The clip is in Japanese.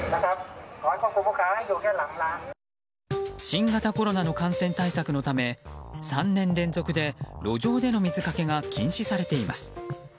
新型コロナの感染対策のため３年連続で路上での水かけが禁止されています。